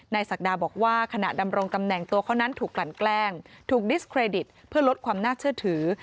ศักดาบอกว่าขณะดำรงตำแหน่งตัวเขานั้นถูกกลั่นแกล้งถูกดิสเครดิตเพื่อลดความน่าเชื่อถือ